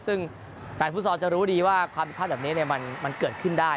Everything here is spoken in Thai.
ซึ่งแผนผู้สอนจะรู้ดีว่าความไพรภาพแบบนี้มันเกิดขึ้นได้